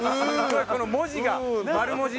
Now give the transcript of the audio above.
この文字が丸文字ね。